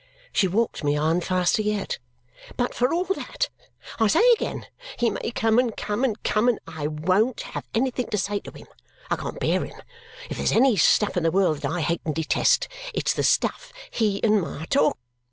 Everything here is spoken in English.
She walked me on faster yet. "But for all that, I say again, he may come, and come, and come, and I won't have anything to say to him. I can't bear him. If there's any stuff in the world that I hate and detest, it's the stuff he and Ma talk.